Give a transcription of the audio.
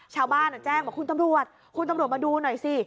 ชาวบ้านแจ้งบอกคุณตำรวจคุณตำรวจมาดูหน่อยสิ